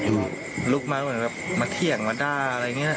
ลุกมาเหมือนแบบมาเที่ยงมาด้าอะไรอย่างนี้